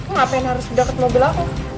ngapain harus deket mobil aku